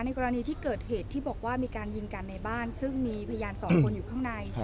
กรณีที่เกิดเหตุที่บอกว่ามีการยิงกันในบ้านซึ่งมีพยานสองคนอยู่ข้างใน